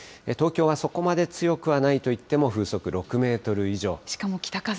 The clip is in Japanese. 東京はそこまで強くはないといっても風速６メートル以上。